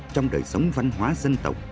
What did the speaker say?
trong đời sống văn hóa dân tộc